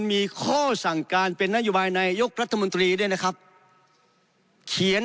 มีข้อสั่งการเป็นนโยบายนายกรัฐมนตรีด้วยนะครับเขียน